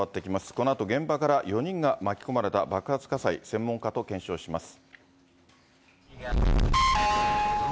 このあと現場からは４人が巻き込まれた爆発火災、専門家と検証します。